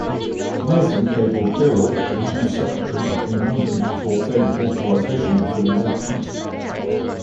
Nathan cabled Birrell, the Chief Secretary, in London to obtain authorisation for these actions.